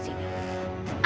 jangan menjauh kesini